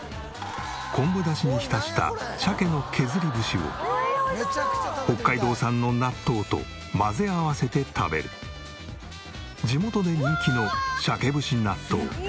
昆布だしに浸した北海道産の納豆と混ぜ合わせて食べる地元で人気の鮭節納豆。